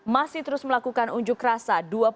masih terus melakukan unjuk rasa